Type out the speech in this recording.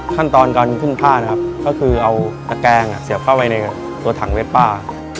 ขั้นตอนการขึ้นผ้าคือเอาตะแกงเสียบป้าไว้ในตัวถังเว็บป้า